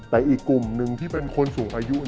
แต่อีกกลุ่มหนึ่งที่เป็นคนสูงอายุ